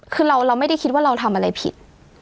คือเราไม่ได้คิดว่าเราทำอะไรผิด